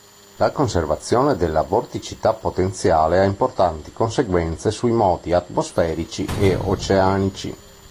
La conservazione della vorticità potenziale ha importanti conseguenze sui moti atmosferici e oceanici.